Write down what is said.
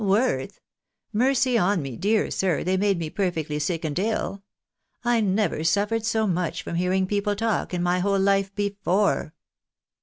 " Worth ? Mercy on me, dear sir, they made me perfectly sick and ill. I never suffered so much from hearing people talk, in my whole hfe before."